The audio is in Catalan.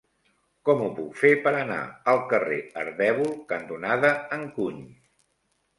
Com ho puc fer per anar al carrer Ardèvol cantonada Encuny?